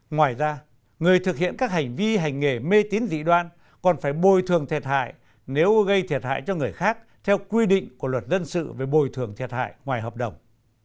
ngoài ra người thực hiện các hành vi hành nghề mê tín dị đoan còn phải bồi thường thiệt hại nếu gây thiệt hại cho người khác theo quy định của luật dân sự về bồi thường thiệt hại ngoài hợp đồng